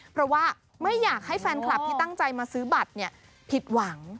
เพราะว่าไม่อยากให้แฟนคลับที่ตั้งใจมาซื้อบัตรผิดหวัง